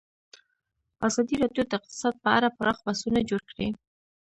ازادي راډیو د اقتصاد په اړه پراخ بحثونه جوړ کړي.